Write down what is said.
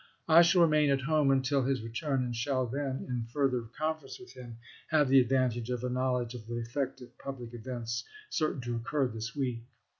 I shall remain at home until his return, and shall then in further conference with him have the ad ^coin,0 vantage of a knowledge of the effect of public 6Cms. events certain to occur this week."